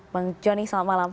bang joni selamat malam